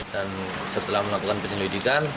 dan setelah melakukan penyelidikan